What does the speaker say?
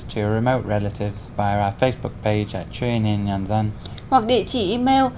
hoặc địa chỉ email